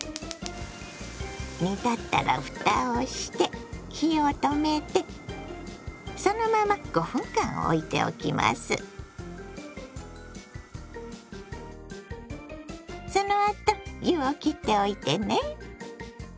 煮立ったらふたをして火を止めてそのままそのあと湯をきっておいてね。